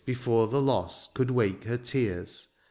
Before the loss could wake her tears.